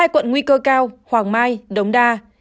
hai quận nguy cơ cao hoàng mai đống đa